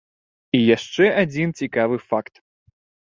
І яшчэ адзін цікавы факт.